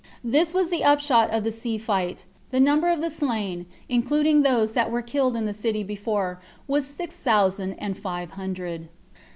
This was the upshot of the sea fight. The number of the slain, including those that were killed in the city before, was six thousand and five hundred.